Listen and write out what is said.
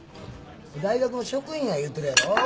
大学の職員や言うてるやろ。